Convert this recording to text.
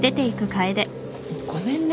ごめんね。